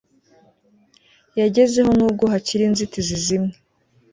yagezeho n ubwo hakiri inzitizi zimwe